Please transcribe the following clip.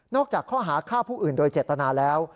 จากข้อหาฆ่าผู้อื่นโดยเจตนาแล้ว